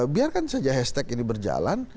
biarkan saja hashtag ini berjalan